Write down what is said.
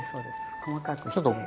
細かくして。